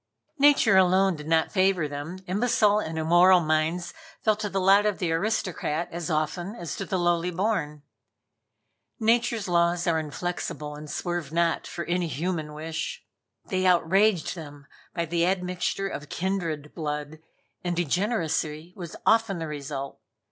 Nature alone did not favor them Imbecile and immoral minds fell to the lot of the aristocrat as often as to the lowly born. Nature's laws are inflexible and swerve not for any human wish. They outraged them by the admixture of kindred blood, and degeneracy was often the result.